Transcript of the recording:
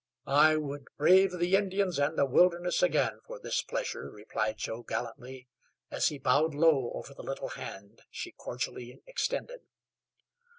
"I would brave the Indians and the wilderness again for this pleasure," replied Joe gallantly, as he bowed low over the little hand she cordially extended.